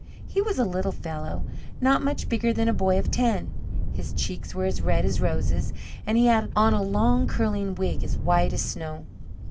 He was a little fellow, not much bigger than a boy of ten. His cheeks were as red as roses, and he had on a long curling wig as white as snow.